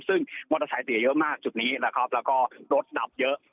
ซึ่งมอเตอร์ไซค์เสียเยอะมากจุดนี้นะครับแล้วก็รถดับเยอะ